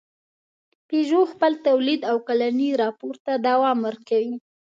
پيژو خپل تولید او کلني راپور ته دوام ورکوي.